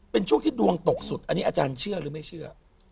เป็นช่วงที่ดวงตกสุดอันนี้อาจารย์เชื่อหรือไม่เชื่อ